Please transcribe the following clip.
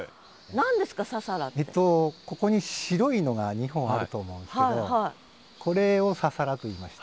ここに白いのが２本あると思うんですけどこれを「ササラ」といいまして。